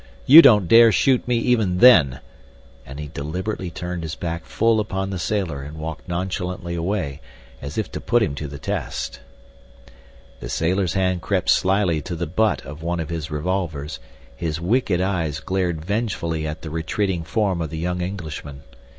You don't dare shoot me even then," and he deliberately turned his back full upon the sailor and walked nonchalantly away as if to put him to the test. The sailor's hand crept slyly to the butt of one of his revolvers; his wicked eyes glared vengefully at the retreating form of the young Englishman.